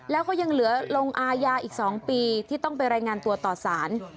แล้วก็ยังเหลือลงอายาอีก๒ปีที่ต้องไปรายงานตัวต่อสาร